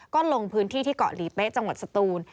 ก็ลงพื้นที่ที่เกาะหลีเป๊ะจังหวัดสตูน